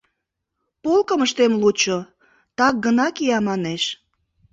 — Полкым ыштем лучо — так гына кия, — манеш.